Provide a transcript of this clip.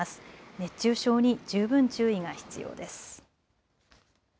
熱中症に十分注意が必要です。